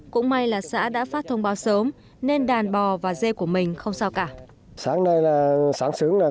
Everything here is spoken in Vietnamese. cũng may là xã đã phát thông báo sớm nên đàn bò và dê của mình không sao cả